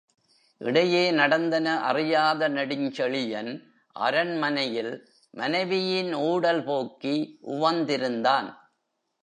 இடையே நடந்தன அறியாத நெடுஞ்செழியன் அரண்மனையில் மனைவியின் ஊடல் போக்கி உவந்திருந்தான்.